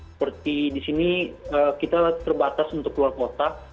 seperti di sini kita terbatas untuk keluar kota